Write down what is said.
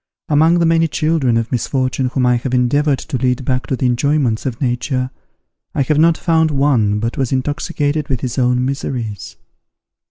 Among the many children of misfortune whom I have endeavoured to lead back to the enjoyments of nature, I have not found one but was intoxicated with his own miseries.